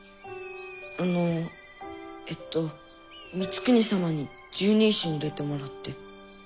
あのえっと光圀様に拾人衆に入れてもらって。